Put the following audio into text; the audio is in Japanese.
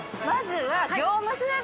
まずは。